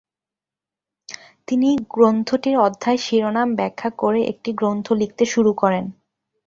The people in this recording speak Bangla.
তিনি গ্রন্থটির অধ্যায়-শিরোনাম ব্যাখ্যা করে একটি গ্রন্থ লিখতে শুরু করেন।